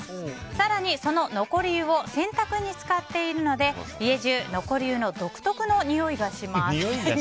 更に、その残り湯を洗濯に使っているので家中、残り湯の独特のにおいがします。